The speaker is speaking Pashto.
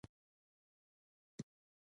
د شبرغان ښار د جوزجان مرکز دی